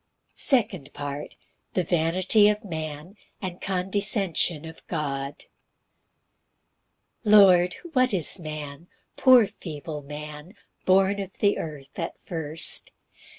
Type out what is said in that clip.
Psalm 144:2. 3 4 5 6. Second Part. The vanity of man, and condescension of God. 1 Lord, what is man, poor feeble man, Born of the earth at first!